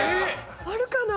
あるかな？